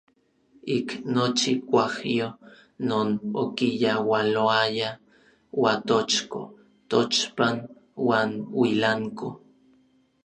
Ik nochi kuajyo non okiyaualoaya Uatochko, Tochpan uan Uilanko.